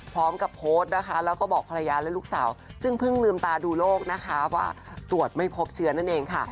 พร้อมกับโพสต์นะคะแล้วก็บอกภรรยาและลูกสาวซึ่งเพิ่งลืมตาดูโลกนะคะว่าตรวจไม่พบเชื้อนั่นเองค่ะ